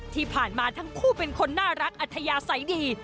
ที่ผ่านมาทั้งคู่เป็นคนน่ารักอัธยาศัยดี